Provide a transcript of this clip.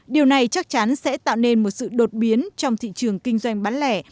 điều này chắc chắn sẽ tạo nên một sự đột biến trong thị trường kinh doanh bán lẻ